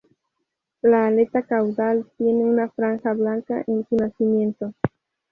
La aleta caudal tiene una franja blanca en su nacimiento.